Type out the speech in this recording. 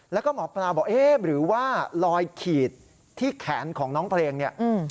แล้วก็หมอปลาบอกเอ๊ะหรือว่าลอยขีดที่แขนของน้องเพลงเนี่ย